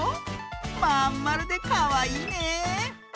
まんまるでかわいいね！